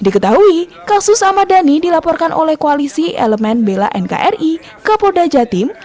diketahui kasus ahmad dhani dilaporkan oleh koalisi elemen bela nkri kapolda jatim